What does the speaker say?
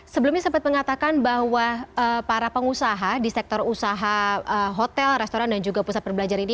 sebelumnya sempat mengatakan bahwa para pengusaha di sektor usaha hotel restoran dan juga pusat perbelanjaan ini